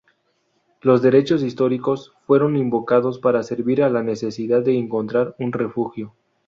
Los derechos históricos fueron invocados para servir a la necesidad de encontrar un refugio.